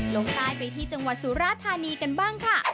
ลงใต้ไปที่จังหวัดสุราธานีกันบ้างค่ะ